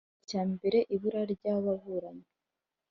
icyiciro cya mbere ibura ry ababuranyi